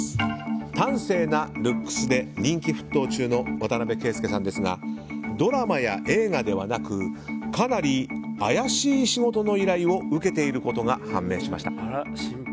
端正なルックスで人気沸騰中の渡邊圭祐さんですがドラマや映画ではなくかなり怪しい仕事の依頼を受けていることが判明しました。